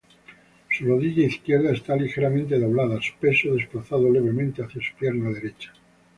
Su rodilla izquierda está ligeramente doblada, su peso desplazado levemente hacia su pierna derecha.